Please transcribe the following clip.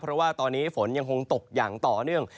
เพราะว่าตอนนี้ฝนยังคงตกอย่างต่อเนื่อง